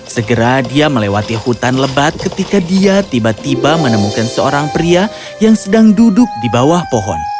segera dia melewati hutan lebat ketika dia tiba tiba menemukan seorang pria yang sedang duduk di bawah pohon